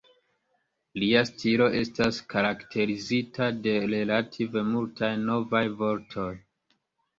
Lia stilo estas karakterizita de relative multaj "novaj" vortoj.